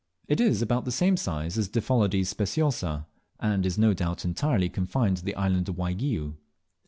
It is about the same size as Diphyllodes speciosa, and is no doubt entirely confined to the island of Waigiou.